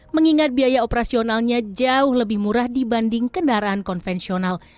mengingat biaya operasionalnya jauh lebih murah dibanding kendaraan konvensional